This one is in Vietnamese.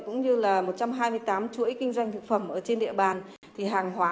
cũng như là một trăm hai mươi tám chuỗi kinh doanh thực phẩm ở trên địa bàn